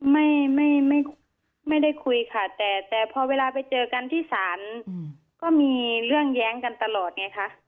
ไม่ไม่ไม่ได้คุยค่ะแต่แต่พอเวลาไปเจอกันที่ศาลก็มีเรื่องแย้งกันตลอดไงคะ